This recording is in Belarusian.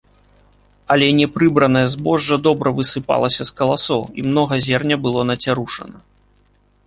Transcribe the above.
Але непрыбранае збожжа добра высыпалася з каласоў і многа зерня было нацярушана.